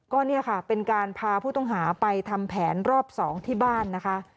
ก็เนี่ยค่ะเป็นการพาผู้ต้องหาไปทำแผนรอบ๒ที่บ้านนะคะ